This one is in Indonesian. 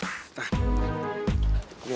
ini apaan deh